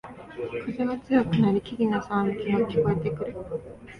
風が強くなり木々のざわめきが聞こえてくる